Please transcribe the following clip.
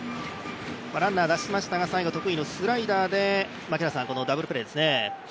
ランナーを出しましたが、最後、得意のスライダーでダブルプレーですね。